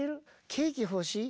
ケーキ欲しい？